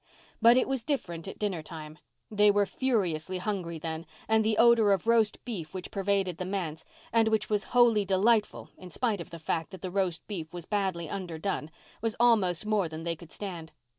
But it was different at dinner time. They were furiously hungry then, and the odor of roast beef which pervaded the manse, and which was wholly delightful in spite of the fact that the roast beef was badly underdone, was almost more than they could stand.